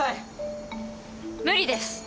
無理です。